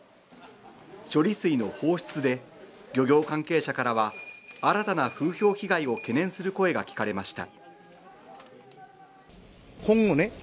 処理水の放出で漁業関係者からは新たな風評被害を懸念する声が聞かれました。